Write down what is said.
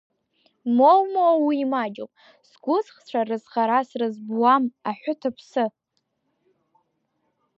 Моумоу, уи маҷуп, сгәыцхәцәа рызхара срызбуам, аҳәыт аԥсы.